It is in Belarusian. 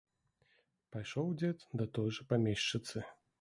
Пайшоў дзед да той жа памешчыцы.